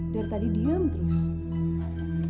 dari tadi diam terus